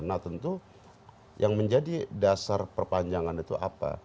nah tentu yang menjadi dasar perpanjangan itu apa